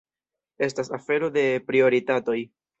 Estas afero de prioritatoj.